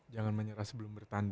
jangan menyerah sebelum bertanding